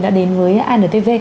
đã đến với antv